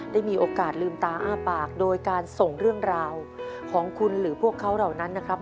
ได้มีโอกาสลืมตาอ้าปากโดยการส่งเรื่องราวของคุณหรือพวกเขาเหล่านั้นนะครับ